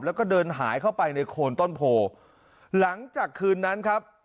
แล้วก็เดินหายเข้าไปในโคนต้นโพหลังจากคืนนั้นครับ